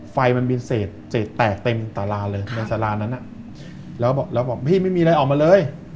ไฟมันเป็นเศษแตกเต็มสาราเลยแล้วบอกพี่ไม่มีอะไรออกมาเลย